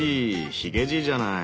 ヒゲじいじゃない！